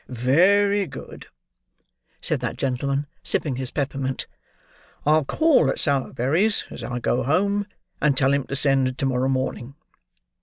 "Very good," said that gentleman, sipping his peppermint; "I'll call at Sowerberry's as I go home, and tell him to send to morrow morning.